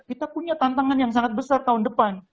kita punya tantangan yang sangat besar tahun depan